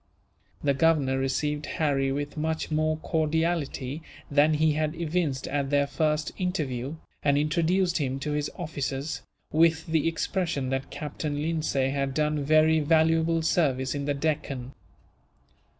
The Governor received Harry with much more cordiality than he had evinced at their first interview, and introduced him to his officers, with the expression that Captain Lindsay had done very valuable service in the Deccan.